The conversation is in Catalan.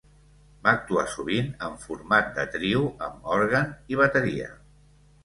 Va actuar sovint en format de trio amb òrgan i bateria.